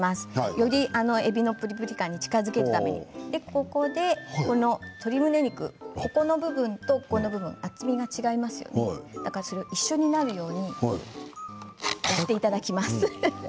よりえびのプリプリ感に近づけるためにここで鶏むね肉を厚みが違うところがありますので一緒になるようにやっていきます。